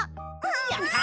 やった！